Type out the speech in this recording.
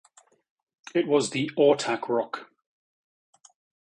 It was the Ortac rock.